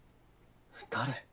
誰？